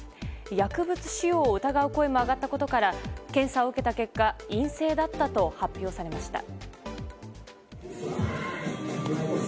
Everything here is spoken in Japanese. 薬物使用を疑う声も上がったことから検査を受けた結果陰性だったと発表されました。